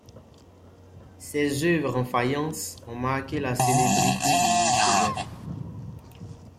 Ses œuvres en faïence ont marqué la célébrité de Micheau-Vernez.